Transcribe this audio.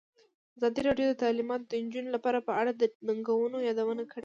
ازادي راډیو د تعلیمات د نجونو لپاره په اړه د ننګونو یادونه کړې.